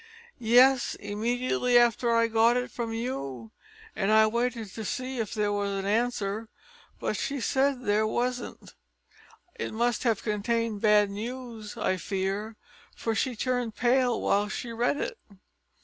"Yes, immediately after I got it from you; and I waited to see if there was an answer, but she said there wasn't. It must have contained bad news, I fear, for she turned pale while she read it."